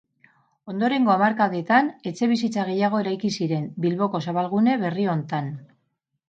Ondorengo hamarkadetan etxebizitza gehiago eraiki ziren, Bilboko zabalgune berri hontan.